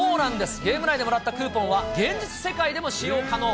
ゲーム内でもらったクーポンは、現実世界でも使用可能。